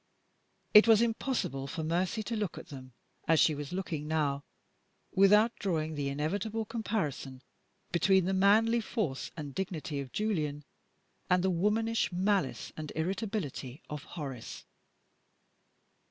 It was impossible for Mercy to look at them, as she was looking now, without drawing the inevitable comparison between the manly force and dignity of Julian and the womanish malice and irritability of Horace.